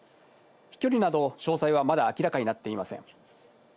飛距離など詳細はまだ明らかになっていません。